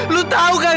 lu tahu kan